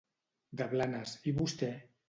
De Blanes, i vostè?